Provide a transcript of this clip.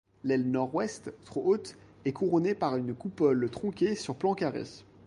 L’aile nord-ouest, trop haute, est couronnée par une coupole tronquée sur plan carrée.